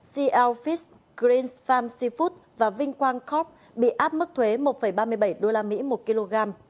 sea alphys green farm seafood và vinh quang corp bị áp mức thuế một ba mươi bảy usd một kg